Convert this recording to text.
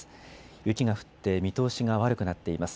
雪が降って見通しが悪くなっています。